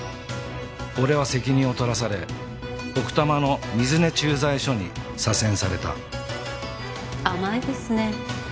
俺は責任を取らされ奥多摩の水根駐在所に左遷された甘いですね。